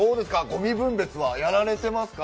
ごみ分別はやられてますか？